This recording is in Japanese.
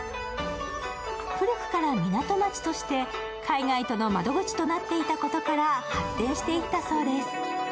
古くから港町として海外との窓口となっていたことから発展していったそうです。